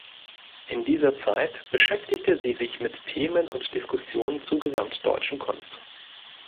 In dieser Zeit beschäftigte sie sich mit Themen und Diskussionen zur gesamtdeutschen Kunst.